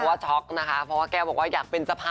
อุ๊ยจริงมากดีค่ะก็อยากเป็นอยู่